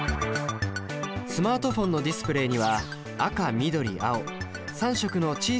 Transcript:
スマートフォンのディスプレイには赤緑青３色の小さな粒がありました。